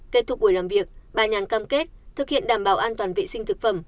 kết thúc buổi làm việc bà nhàn cam kết thực hiện đảm bảo an toàn vệ sinh thực phẩm